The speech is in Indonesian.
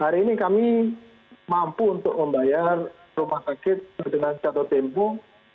hari ini kami mampu untuk membayar rumah sakit dengan jatuh tempoh